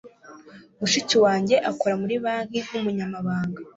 Mushiki wanjye akora muri banki nkumunyamabanga.